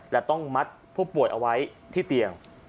และต้องมัดผู้ป่วยเอาไว้ที่เตียง